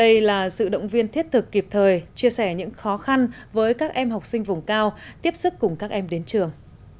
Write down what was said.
học viên thiết thực kịp thời chia sẻ những khó khăn với các em học sinh vùng cao tiếp sức cùng các em đến trường